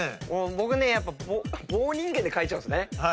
僕ねやっぱ棒人間で描いちゃうんですね。